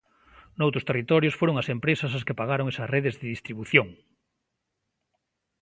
Noutros territorios foron as empresas as que pagaron esas redes de distribución.